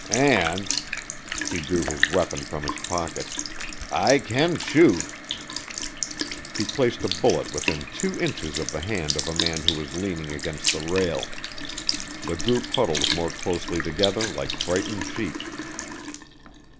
An'," he drew his weapon from his pocket, "I can shoot." He placed a bullet within two inches of the hand of a man who was leaning against the rail. The group huddled more closely together like frightened sheep.